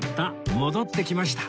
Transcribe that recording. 戻ってきました